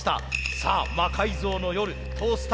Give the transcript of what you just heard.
さあ「魔改造の夜」「トースター高跳び」。